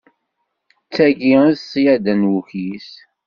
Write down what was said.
D tagi i d ṣṣyada n wukyis!